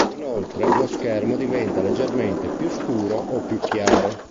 Inoltre, lo schermo diventa leggermente più scuro o più chiaro.